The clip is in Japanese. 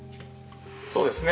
そうですね。